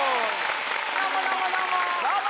どうもどうもどうも！